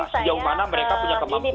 sejauh mana mereka punya kemampuan